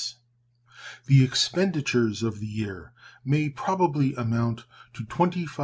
The expenditures of the year may probably amount to $25,637,111.